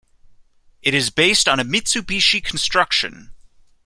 It is based on a Mitsubishi construction.